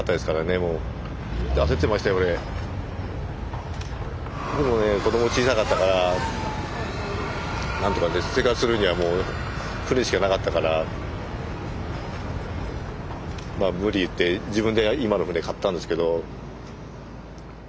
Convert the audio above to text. でもね子ども小さかったからなんとか生活するにはもう船しかなかったからまあ無理言って自分で今の船買ったんですけど。